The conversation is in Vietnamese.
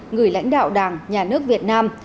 người lãnh đạo đảng nhà nước việt nam